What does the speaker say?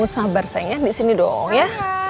sabar sayang disini dong ya